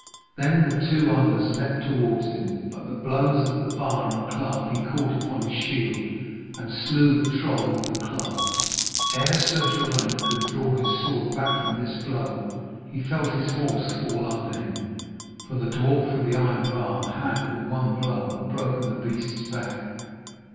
Then the two others leaped towards him, but the blows of the bar and club he caught upon his shield and slew the troll with the club. Ere Sir Geraint could draw his sword back from this blow, he felt his horse fall under him, for the dwarf with the iron bar had with one blow broken the beast's back.